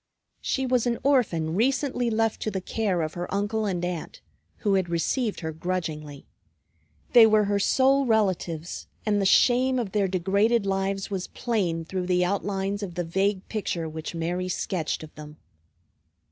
She was an orphan recently left to the care of her uncle and aunt, who had received her grudgingly. They were her sole relatives; and the shame of their degraded lives was plain through the outlines of the vague picture which Mary sketched of them.